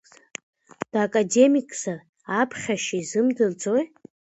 Дакадемикзар аԥхьашьа изымдырӡои?